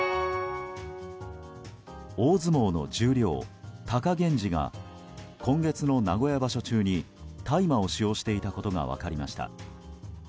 大相撲の十両・貴源治が今月の名古屋場所中に大麻を使用していたことが分かりました。